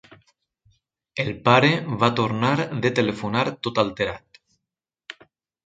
El pare va tornar de telefonar tot alterat.